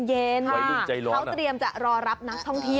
เขาเตรียมจะรอรับนักท่องเที่ยว